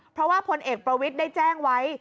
เพราะว่าพลเอกประวิทย์ได้แจ้งไว้